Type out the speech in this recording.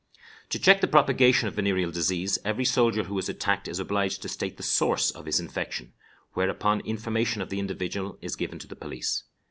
To check the propagation of venereal disease, every soldier who is attacked is obliged to state the source of his infection, whereupon information of the individual is given to the police.